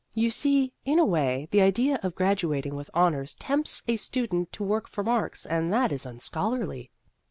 " You see, in a way, the idea of graduating with honors tempts a student to work for marks, and that is unscholarly."